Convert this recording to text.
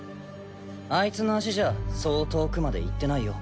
あいつの足じゃそう遠くまで行ってないよ。